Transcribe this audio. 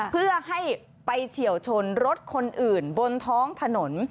เพื่อให้ไปเฉียวชนรถคนอื่นบนท้องถนน